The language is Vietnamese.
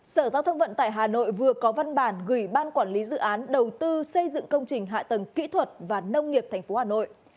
sở giao thông vận tải hà nội vừa có văn bản gửi ban quản lý dự án đầu tư xây dựng công trình hạ tầng kỹ thuật và nông nghiệp tp hà nội